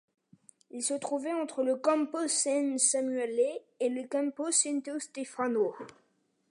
Il se trouvait entre le Campo San Samuele et le Campo Santo Stefano.